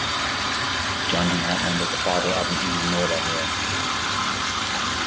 John D. Hartman was the father of an Indianola mayor.